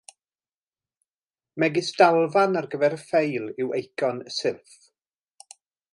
Megis dalfan ar gyfer y ffeil yw eicon y Silff.